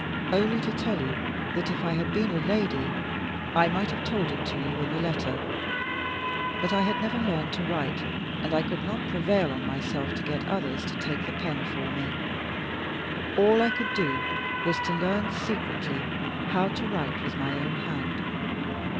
"Only to tell you that! If I had been a lady I might have told it to you in a letter; but I had never learned to write, and I could not prevail on myself to get others to take the pen for me. All I could do was to learn secretly how to write with my own hand.